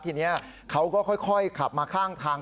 ทีนี้เขาก็ค่อยขับมาข้างทาง